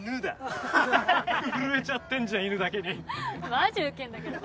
マジウケんだけどこいつ。